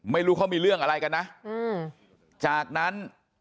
ไม่รู้เขามีเรื่องอะไรกันนะอืมจากนั้น